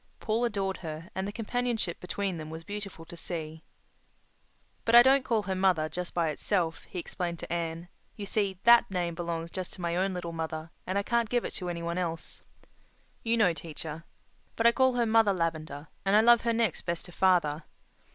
Paul adored her, and the companionship between them was beautiful to see. "But I don't call her 'mother' just by itself," he explained to Anne. "You see, that name belongs just to my own little mother, and I can't give it to any one else. You know, teacher. But I call her 'Mother Lavendar' and I love her next best to father.